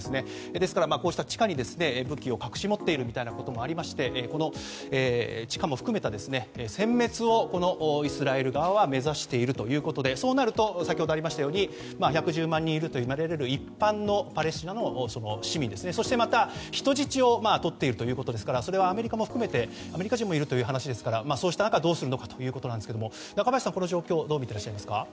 ですから、こうした地下に武器を隠し持っているみたいなこともありまして地下も含めた殲滅をイスラエル側は目指しているということでそうなると先ほどあったように１１０万人いるといわれる一般のパレスチナの市民そしてまた人質もとっているということでそれは、アメリカも含めてアメリカ人もいるという話なのでそうした中、どうするのかということですが中林さん、この状況どう見てらっしゃいますか？